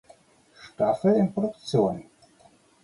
Staffel in Produktion.